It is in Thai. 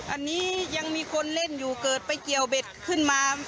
อันนี้ยังมีคนเล่นอยู่เกิดไปเกี่ยวเบ็ดขึ้นมา